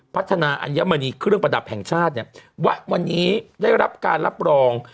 พัฒนาอัญมณีเครื่องประดับแห่งชาติเนี่ยว่าวันนี้ได้รับการรับรอง